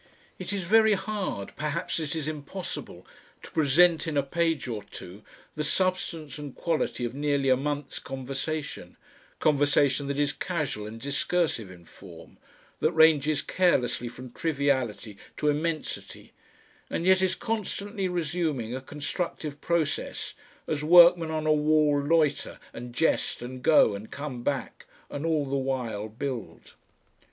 It is very hard perhaps it is impossible to present in a page or two the substance and quality of nearly a month's conversation, conversation that is casual and discursive in form, that ranges carelessly from triviality to immensity, and yet is constantly resuming a constructive process, as workmen on a wall loiter and jest and go and come back, and all the while build.